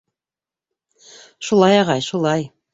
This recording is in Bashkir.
Шулай, ағай, шулай!